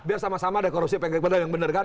biar sama sama ada korupsi yang benar kan